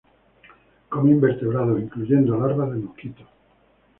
Come invertebrados, incluyendo larvas de mosquito.